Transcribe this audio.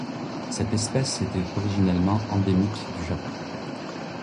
Cette espèce était originellement endémique du Japon.